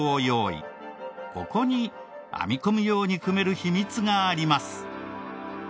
ここに編み込むように組める秘密があります。